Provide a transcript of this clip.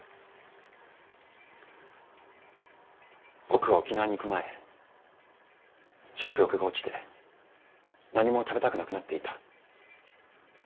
僕は沖縄に行く前食欲が落ちて何も食べたくなくなっていた。